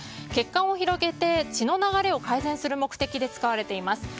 血管を広げて血の流れを改善する目的で使われています。